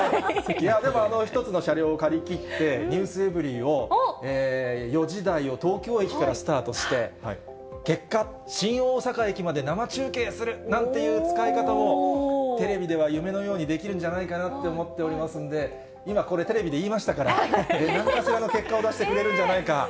でもあの１つの車両を借り切って、ｎｅｗｓｅｖｅｒｙ．を４時台を東京駅からスタートして、結果、新大阪まで生中継するなんていう使い方も、テレビでは夢のようにできるんじゃないかなと思っておりますんで、今これ、テレビで言いましたから、なんかしらの結果を出してくれるんじゃないか。